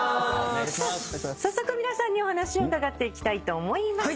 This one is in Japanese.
早速皆さんにお話を伺っていきたいと思います。